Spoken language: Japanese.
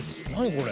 これ。